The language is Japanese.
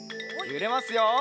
ゆれますよ。